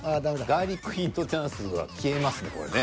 ガーリックヒントチャンスは消えますねこれね。